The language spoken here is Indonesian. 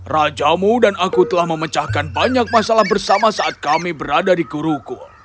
rajamu dan aku telah memecahkan banyak masalah bersama saat kami berada di kuruku